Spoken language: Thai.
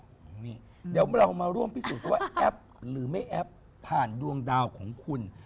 เดี๋ยวเรามาร่วมพิสูจน์ว่าแอปหรือไม่แอปผ่านดวงดาวของคุณ